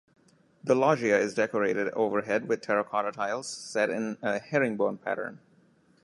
The loggia is decorated overhead with terracotta tiles set in a herringbone pattern.